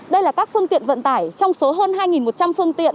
đây là các phương tiện vận tải trong số hơn hai một trăm linh phương tiện